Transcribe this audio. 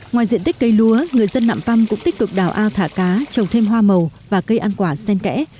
ngoài diện tích cây lúa người dân nạm păm cũng tích cực đào ao thả cá trồng thêm hoa màu và cây ăn quả sen kẽ